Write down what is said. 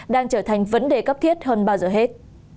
đang trở thành vấn đề cấp thiết hơn bao giờ hết